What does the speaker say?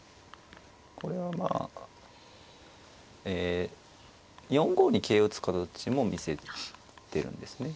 これはまあえ４五に桂打つ形も見せてるんですね。